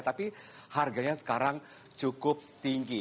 tapi harganya sekarang cukup tinggi